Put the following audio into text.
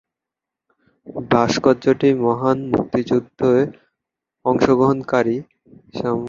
ভাস্কর্যটি মহান মুক্তিযুদ্ধে স্বাধীনতাকামী মানুষের তথা নারী-পুরুষের সক্রিয় অংশগ্রহণের সম্মিলিত ভূমিকার প্রতিচ্ছবি হিসেবে প্রতিফলিত হয়েছে।